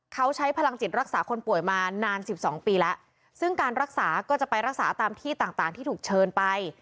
เขาใช้พลังจิตรักษาคนป่วยมานานสิบสองปีแล้วซึ่งการรักษาก็จะไปรักษาตามที่ต่างต่างที่ถูกเชิญไป